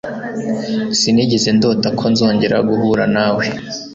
Sinigeze ndota ko nzongera guhura nawe.